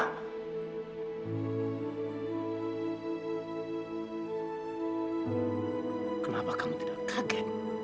kenapa kamu tidak kaget